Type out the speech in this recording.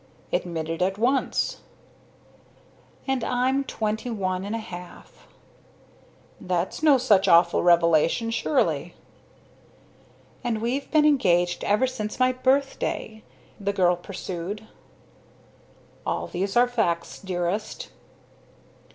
"Admitted at once." "And I'm twenty one and a half." "That's no such awful revelation, surely!" "And we've been engaged ever since my birthday," the girl pursued. "All these are facts, dearest."